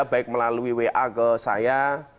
baik melalui wa ke saya